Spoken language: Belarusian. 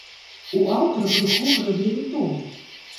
У аўтара крыху грэблівы тон.